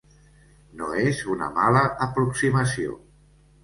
No és una mala aproximació.